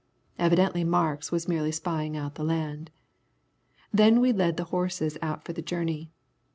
Evidently Marks was merely spying out the land. Then we led the horses out for the journey.